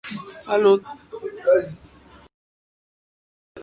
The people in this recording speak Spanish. Ha ido ampliando sus actividades a otras clases de productos y diversas zonas.